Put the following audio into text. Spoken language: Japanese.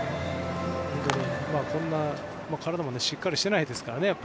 こんな、体もしっかりしてないですからね。